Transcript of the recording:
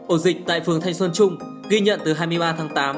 ổ dịch tại phường thanh xuân trung ghi nhận từ hai mươi ba tháng tám